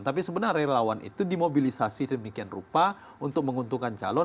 tapi sebenarnya relawan itu dimobilisasi sedemikian rupa untuk menguntungkan calon